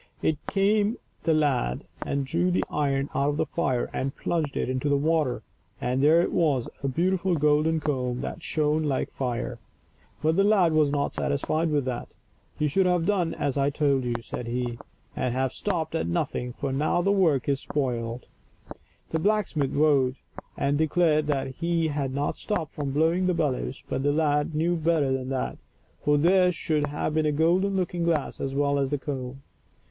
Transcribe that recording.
In came the lad and drew the iron out of the fire and plunged it into the water, and there it was a beautiful golden comb that shone like fire. But the lad was not satisfied with that. " You should have done as I told you," said he, "and have stopped at nothing; for now the work is spoiled." The blacksmith vowed and declared that he had not stopped from blowing the bellows, but the lad knew better than that ; for there should have been a golden looking glass as well as the comb.